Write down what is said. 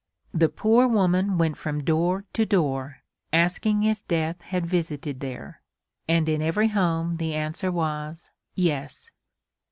The poor woman went from door to door asking if Death had visited there, and in every home the answer was "yes!"